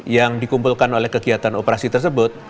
yang dikumpulkan oleh kegiatan operasi tersebut